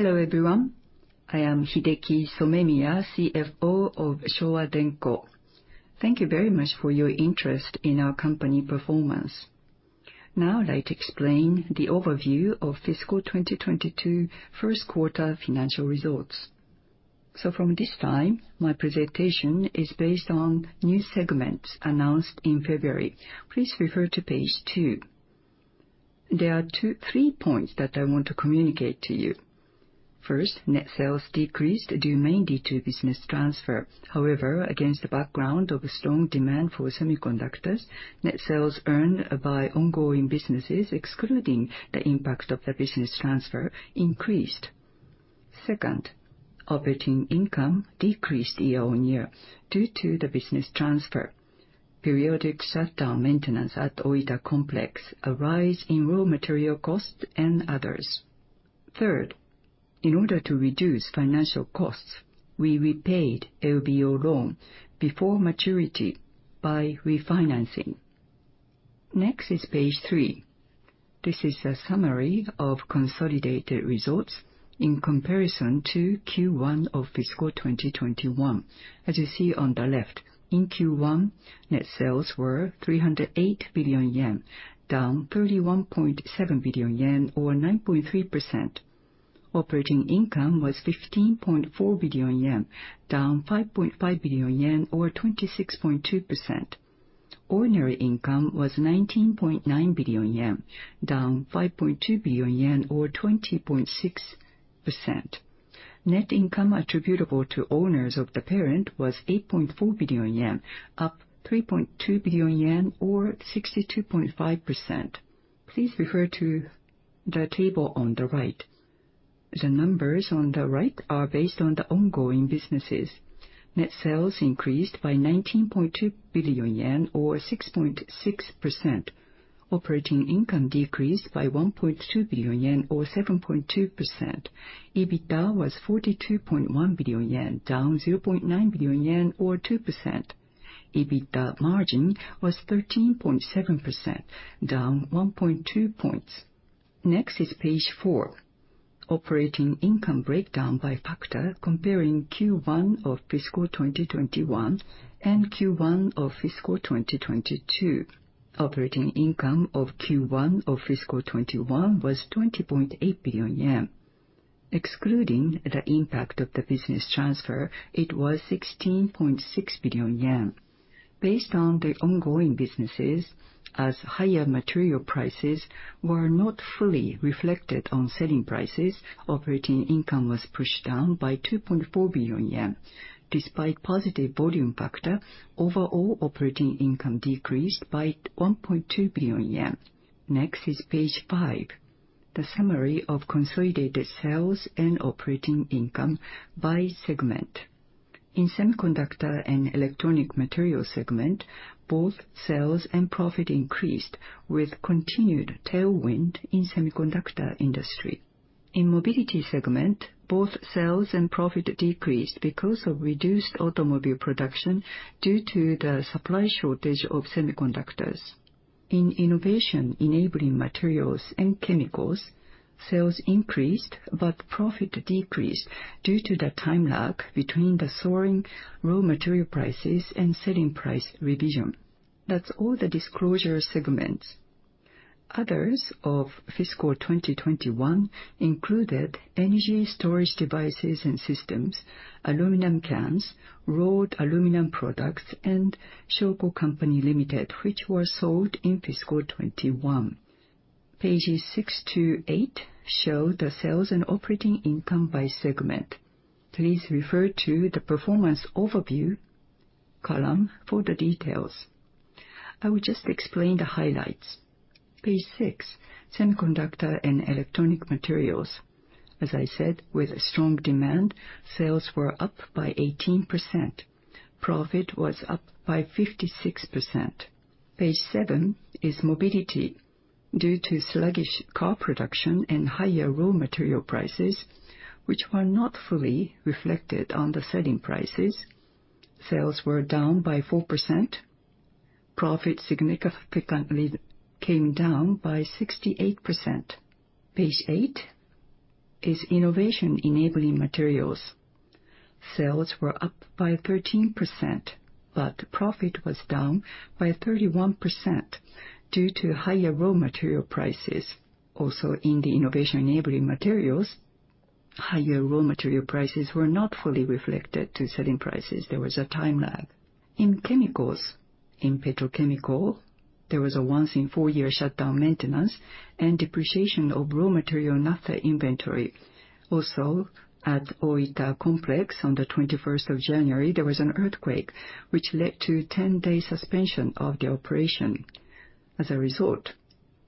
Hello, everyone. I am Hideki Somemiya, CFO of Showa Denko. Thank you very much for your interest in our company performance. I'd like to explain the overview of fiscal 2022 first quarter financial results. From this time, my presentation is based on new segments announced in February. Please refer to page two. There are three points that I want to communicate to you. First, net sales decreased due mainly to business transfer. However, against the background of strong demand for semiconductors, net sales earned by ongoing businesses excluding the impact of the business transfer increased. Second, operating income decreased year-on-year due to the business transfer, periodic shutdown maintenance at Oita Complex, a rise in raw material costs, and others. Third, in order to reduce financial costs, we repaid LBO loan before maturity by refinancing. Next is page three. This is a summary of consolidated results in comparison to Q1 of fiscal 2021. As you see on the left, in Q1, net sales were 308 billion yen, down 31.7 billion yen, or 9.3%. Operating income was 15.4 billion yen, down 5.5 billion yen, or 26.2%. Ordinary income was 19.9 billion yen, down 5.2 billion yen, or 20.6%. Net income attributable to owners of the parent was 8.4 billion yen, up 3.2 billion yen, or 62.5%. Please refer to the table on the right. The numbers on the right are based on the ongoing businesses. Net sales increased by 19.2 billion yen, or 6.6%. Operating income decreased by 1.2 billion yen, or 7.2%. EBITDA was 42.1 billion yen, down 0.9 billion yen, or 2%. EBITDA margin was 13.7%, down 1.2 points. Next is page four, operating income breakdown by factor comparing Q1 of fiscal 2021 and Q1 of fiscal 2022. Operating income of Q1 of fiscal 2021 was 20.8 billion yen. Excluding the impact of the business transfer, it was 16.6 billion yen. Based on the ongoing businesses, as higher material prices were not fully reflected on selling prices, operating income was pushed down by 2.4 billion yen. Despite positive volume factor, overall operating income decreased by 1.2 billion yen. Next is page five, the summary of consolidated sales and operating income by segment. In Semiconductor & Electronic Materials segment, both sales and profit increased with continued tailwind in semiconductor industry. In Mobility segment, both sales and profit decreased because of reduced automobile production due to the supply shortage of semiconductors. In Innovation Enabling Materials & Chemicals, sales increased, but profit decreased due to the time lag between the soaring raw material prices and selling price revision. That's all the disclosure segments. Others of fiscal 2021 included Energy Storage Devices and Systems, Aluminum Cans, Wrought Aluminum Products, and Shoko Company Limited, which were sold in fiscal 2021. Pages six to eight show the sales and operating income by segment. Please refer to the Performance Overview column for the details. I will just explain the highlights. Page six, Semiconductor & Electronic Materials. As I said, with strong demand, sales were up by 18%. Profit was up by 56%. Page seven is Mobility. Due to sluggish car production and higher raw material prices, which were not fully reflected on the selling prices, sales were down by 4%. Profit significantly came down by 68%. Page eight is Innovation Enabling Materials. Sales were up by 13%, but profit was down by 31% due to higher raw material prices. Also, in the Innovation Enabling Materials, higher raw material prices were not fully reflected to selling prices. There was a time lag. In Chemicals, in Petrochemicals, there was a once in four year shutdown maintenance and depreciation of raw material naphtha inventory. Also, at Oita Complex on the 21st of January, there was an earthquake which led to 10-day suspension of the operation. As a result,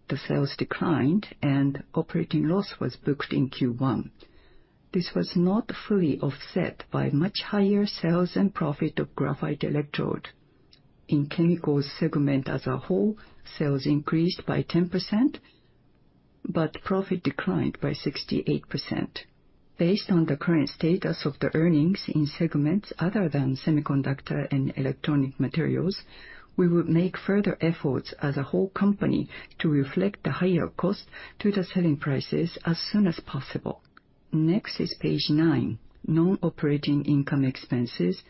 the sales declined, and operating loss was booked in Q1. This was not fully offset by much higher sales and profit of graphite electrode. In Chemicals segment as a whole, sales increased by 10%, but profit declined by 68%. Based on the current status of the earnings in segments other than Semiconductor and Electronic Materials, we will make further efforts as a whole company to reflect the higher cost to the selling prices as soon as possible. Next is page nine, nonoperating income expenses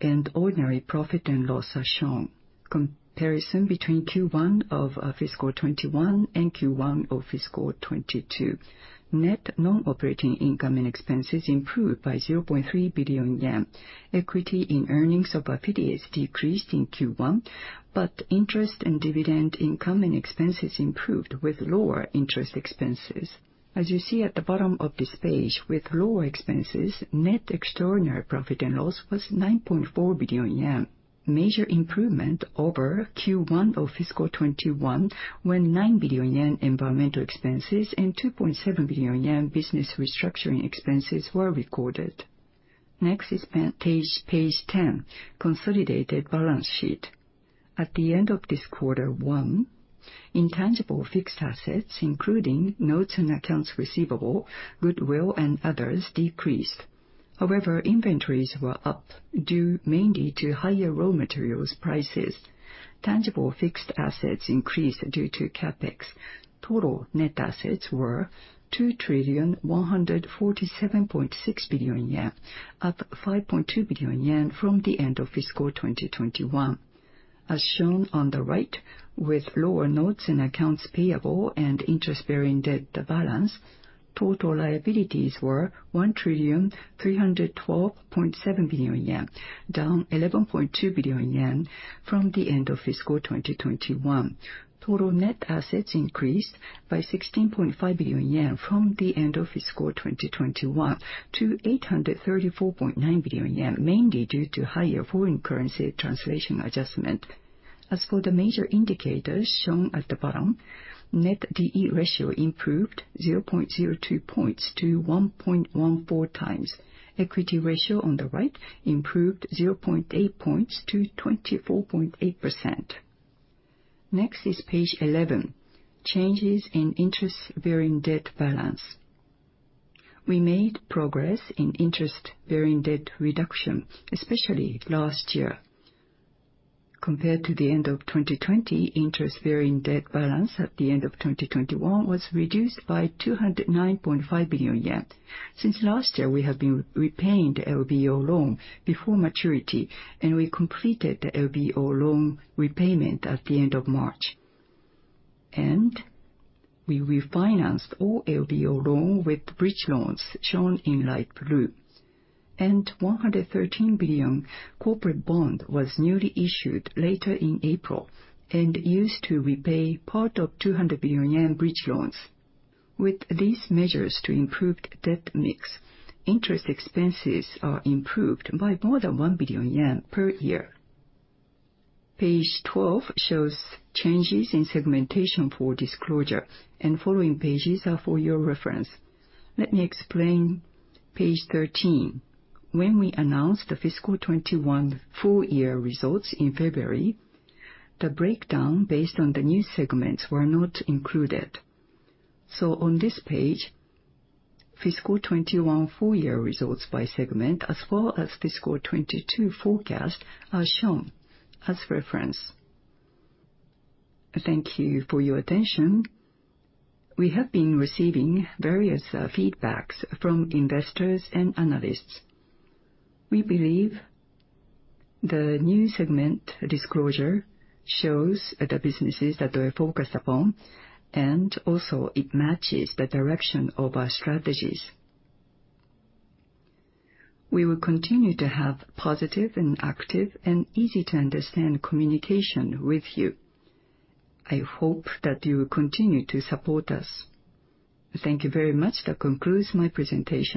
and ordinary profit and loss are shown. Comparison between Q1 of fiscal 2021 and Q1 of fiscal 2022. Net nonoperating income and expenses improved by 0.3 billion yen. Equity in earnings of affiliates decreased in Q1, but interest and dividend income and expenses improved with lower interest expenses. As you see at the bottom of this page, with lower expenses, net extraordinary profit and loss was 9.4 billion yen. Major improvement over Q1 of fiscal 2021 when 9 billion yen environmental expenses and 2.4 billion yen business restructuring expenses were recorded. Next is page 10, consolidated balance sheet. At the end of this quarter, intangible fixed assets, including notes and accounts receivable, goodwill, and others decreased. However, inventories were up due mainly to higher raw materials prices. Tangible fixed assets increased due to CapEx. Total net assets were 2 trillion, 147.6 billion, up 5.2 billion yen from the end of fiscal 2021. As shown on the right, with lower notes and accounts payable and interest-bearing debt balance, total liabilities were 1 trillion, 312.7 billion, down 11.2 billion yen from the end of fiscal 2021. Total net assets increased by 16.5 billion yen from the end of fiscal 2021 to 834.9 billion yen, mainly due to higher foreign currency translation adjustment. As for the major indicators shown at the bottom, net D/E ratio improved 0.02 points to 1.14 times. Equity ratio on the right improved 0.8 points to 24.8%. Next is page 11, changes in interest-bearing debt balance. We made progress in interest-bearing debt reduction, especially last year. Compared to the end of 2020, interest-bearing debt balance at the end of 2021 was reduced by 209.5 billion yen. Since last year, we have been repaying the LBO loan before maturity, and we completed the LBO loan repayment at the end of March. We refinanced all LBO loan with bridge loans, shown in light blue. 113 billion corporate bond was newly issued later in April and used to repay part of 200 billion yen bridge loans. With these measures to improve debt mix, interest expenses are improved by more than 1 billion yen per year. Page 12 shows changes in segmentation for disclosure, and following pages are for your reference. Let me explain page 13. When we announced the fiscal 2021 full-year results in February, the breakdown based on the new segments were not included. So on this page, fiscal 2021 full-year results by segment, as well as fiscal 2022 forecast are shown as reference. Thank you for your attention. We have been receiving various feedbacks from investors and analysts. We believe the new segment disclosure shows the businesses that we're focused upon, and also it matches the direction of our strategies. We will continue to have positive and active and easy-to-understand communication with you. I hope that you will continue to support us. Thank you very much. That concludes my presentation.